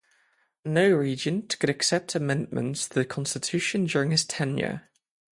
No regent could accept amendments to the constitution during his tenure.